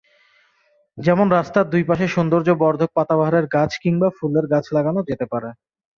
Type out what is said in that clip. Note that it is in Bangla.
যেমন রাস্তার দুই পাশে সৌন্দর্যবর্ধক পাতাবাহারের গাছ কিংবা ফুলের গাছ লাগানো যেতে পারে।